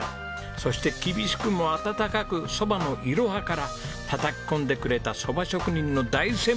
そして厳しくも温かく蕎麦のいろはからたたき込んでくれた蕎麦職人の大先輩たち。